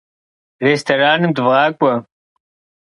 Рестораным дывгъакӏуэ.